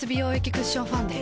クッションファンデ